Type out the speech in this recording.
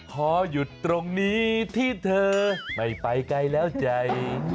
ขอหยุดตรงนี้ที่เธอไม่ไปไกลแล้วใจ